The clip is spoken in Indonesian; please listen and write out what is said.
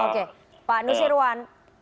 oke pak nusirwan